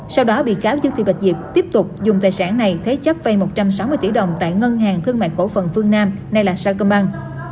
sau đó bị cáo dương thị bạch diệp tiếp tục dùng tài sản này thế chấp vây một trăm sáu mươi tỷ đồng tại ngân hàng thương mại khổ phần phương nam nay là sao công ban